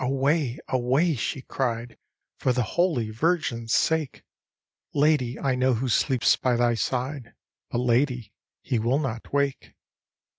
away] awayl" she cried, " For the holy Virgin's sake I "—" Lady, I know who sleeps by thy side, But, lady, he will not wake.